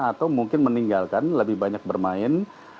atau mungkin meninggalkan lebih banyak bermain